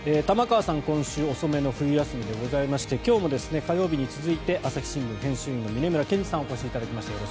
玉川さん、今週遅めの冬休みでございまして今日も火曜日に続いて朝日新聞編集委員の峯村健司さんにお越しいただきました。